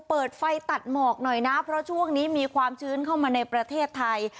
เปิดไฟตัดหมอกหน่อยนะเพราะช่วงนี้มีความชื้นเข้ามาในประเทศไทย